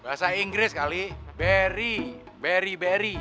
bahasa inggris kali barry barry barry